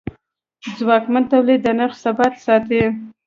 ځواکمن تولید د نرخ ثبات ساتي.